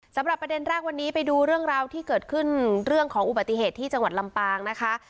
สำหรับประเด็นแรกวันนี้ไปดูเรื่องราวที่เกิดขึ้นเรื่องของอุบัติเหตุที่จังหวัดลำปางนะคะ